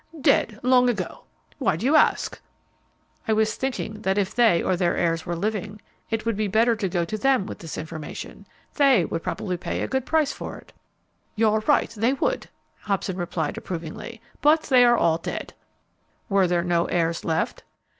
"Dead, long ago. Why do you ask?" "I was thinking that if they or their heirs were living, it would be better to go to them with this information. They would probably pay a good price for it." "You're right, they would," Hobson replied, approvingly; "but they are all dead." "Were there no heirs left?"